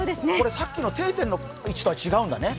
さっきの定点の位置とは違うんだね。